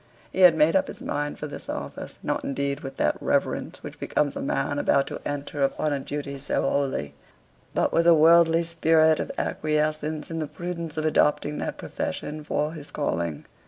He had made up his mind for this office, not indeed with that reverence which becomes a man about to enter upon a duty so holy, but with a worldly spirit of acquiescence in the prudence of adopting that profession for his calling.